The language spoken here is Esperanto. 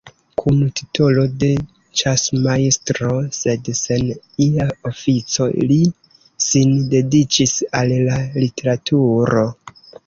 Kun titolo de ĉasmajstro, sed sen ia ofico, li sin dediĉis al la literaturo.